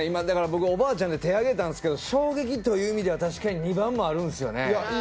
今おばあちゃんで手あげたんですけど衝撃という意味では確かに２番もあるんですよねうわーっ！